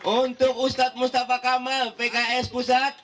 untuk ustadz mustafa kamal pks pusat